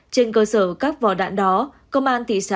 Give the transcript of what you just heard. trên cơ sở các vỏ đạn đó công an thị xã bắc